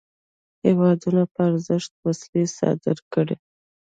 هیوادونو په ارزښت وسلې صادري کړې.